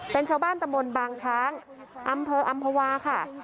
เป็นชาวบ้านตะมนต์บางช้างอำเภออำภาวาค่ะ